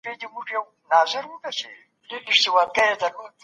موږ رياضي نه خوښوو.